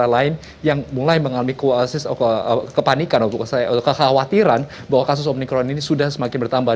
negara lain yang mulai mengalami kepanikan atau kekhawatiran bahwa kasus omikron ini sudah semakin bertambah